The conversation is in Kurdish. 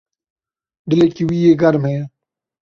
Dilekî wî yê germ heye.